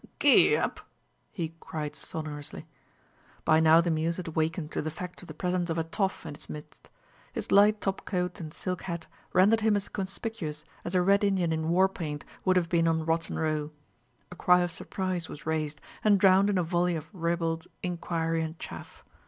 "Ck! Gee e hup!" he cried sonorously. By now the mews had wakened to the fact of the presence of a "toff" in its midst. His light topcoat and silk hat rendered him as conspicuous as a red Indian in war paint would have been on Rotten Row. A cry of surprise was raised, and drowned in a volley of ribald inquiry and chaff.